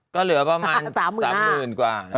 ก็เหลือประมาณ๓๐๐๐กว่า